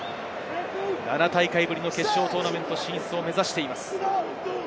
７大会ぶりの決勝トーナメント進出を目指しています。